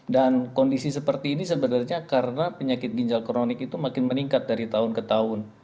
dan kondisi seperti ini sebenarnya karena penyakit ginjal kronik itu makin meningkat dari tahun ke tahun